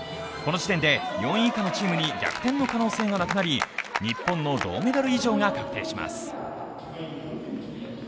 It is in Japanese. この時点で４位以下のチームに逆転の可能性がなくなり、日本の銅メダル以上が確定します。